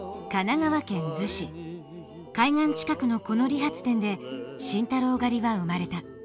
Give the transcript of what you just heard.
海岸近くのこの理髪店で「慎太郎刈り」は生まれた。